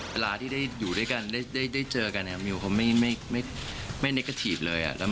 เวลาที่ได้อยู่ด้วยกันได้เจอกันเนี่ยมิวเขาไม่เนกกระทีฟเลย